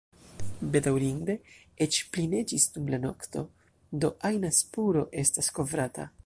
Bedaŭrinde, eĉ pli neĝis dum la nokto, do ajna spuro estas kovrata.